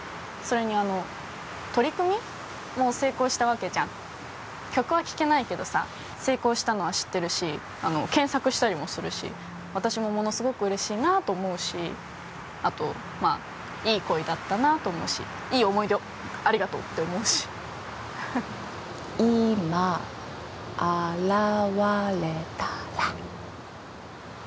それにあの取り組み？も成功したわけじゃん曲は聴けないけどさ成功したのは知ってるしあの検索したりもするし私もものすごく嬉しいなと思うしあとまあいい恋だったなと思うしいい思い出をありがとうって思うし今現れたら？